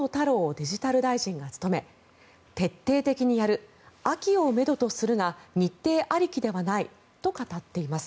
デジタル大臣が務め徹底的にやる秋をめどにするが日程ありきではないと語っています。